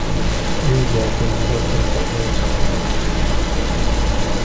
This version did not contain any chapter divisions.